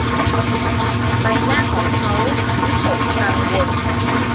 ใบหน้าของเขาวิตกกังวล